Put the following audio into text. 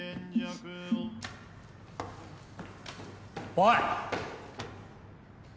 おい！